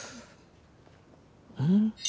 うん？